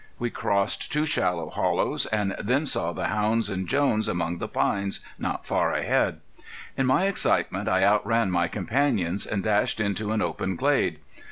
We crossed two shallow hollows, and then saw the hounds and Jones among the pines not far ahead. In my excitement I outran my companions and dashed into an open glade.